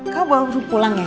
kamu baru pulang ya